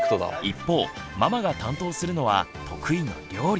一方ママが担当するのは得意の「料理」。